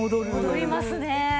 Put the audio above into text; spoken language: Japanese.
戻りますね。